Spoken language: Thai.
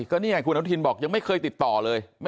ก็นี่ไงคุณอนุทินบอกยังไม่เคยติดต่อเลย